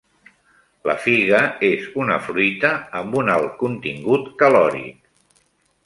La figa és una fruita amb un alt contingut calòric.